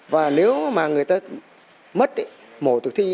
và nếu mà người ta mất mổ tử thi